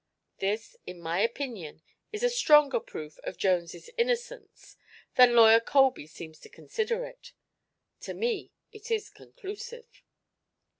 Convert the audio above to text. This, in my opinion, is a stronger proof of Jones' innocence than Lawyer Colby seems to consider it. To me, it is conclusive.